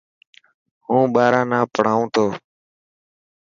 هون ٻاران نا پهڙائون ٿو.